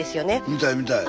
見たい見たい。